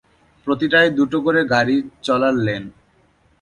প্রতিটায় দুটো করে গাড়ি চলার লেন।